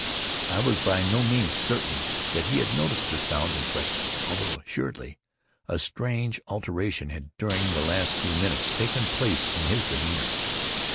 I was by no means certain that he had noticed the sounds in question; although, assuredly, a strange alteration had, during the last few minutes, taken place in his demeanor.